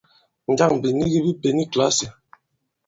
Njâŋ bìnigi bi pěn i kìlasì ?